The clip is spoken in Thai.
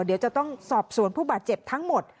เดี๋ยวจะต้องสอบสวนผู้บาดเจ็บทั้งหมด